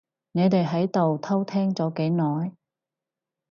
你哋喺度偷聽咗幾耐？